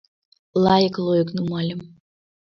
Лайык-лойык нумальым.